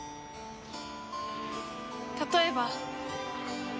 例えば。